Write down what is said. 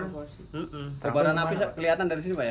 kelihatan dari sini pak ya